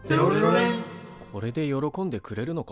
これで喜んでくれるのか？